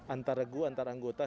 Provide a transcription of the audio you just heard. antara regu antara anggota